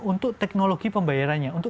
untuk teknologi pembayarannya untuk